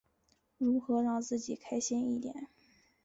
如何让自己开心一点？